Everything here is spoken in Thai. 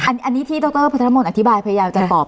อันนี้ที่ดรพัทรมนต์อธิบายพยายามจะตอบ